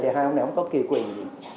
thì hai ông này không có kỳ quyền gì